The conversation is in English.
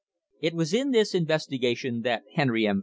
It was in this investigation that Henry M.